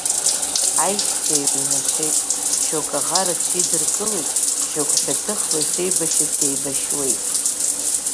Аишьцәа еиҩнашеит, шьоук аӷа рыҽидыркылеит, шьоук ҳәаҭыхла ишеибашьыц еибашьуеит.